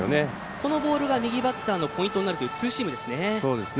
このボールが右バッターのポイントになるというツーシームですね。